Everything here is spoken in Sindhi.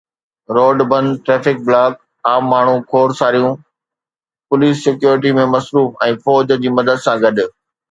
روڊ بند، ٽريفڪ بلاڪ، عام ماڻهو کوڙ ساريون پوليس سيڪيورٽي ۾ مصروف ۽ فوج جي مدد سان گڏ.